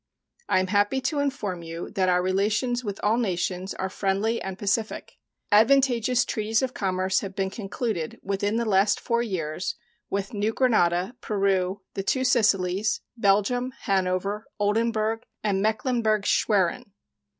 I am happy to inform you that our relations with all nations are friendly and pacific. Advantageous treaties of commerce have been concluded within the last four years with New Granada, Peru, the Two Sicilies, Belgium, Hanover, Oldenburg, and Mecklenburg Schwerin.